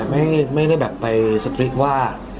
ไม่ได้แบบไปสตริกว่า